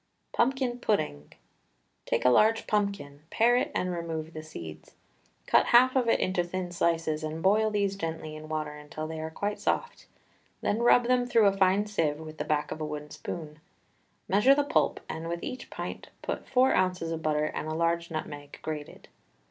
PUMPKIN PUDDING. Take a large pumpkin, pare it, and remove the seeds. Cut half of it into thin slices, and boil these gently in water until they are quite soft, then rub them through a fine sieve with the back of a wooden spoon. Measure the pulp, and with each pint put four ounces of butter and a large nutmeg, grated.